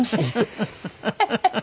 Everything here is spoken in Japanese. ハハハハ！